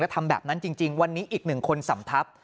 ทำแบบนั้นจริงวันนี้อีกหนึ่งคนสำทับ